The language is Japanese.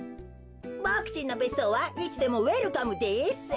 ボクちんのべっそうはいつでもウエルカムです。